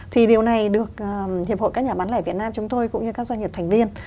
thì điều này được hiệp hội các nhà bán lẻ việt nam chúng tôi cũng như các doanh nghiệp thành viên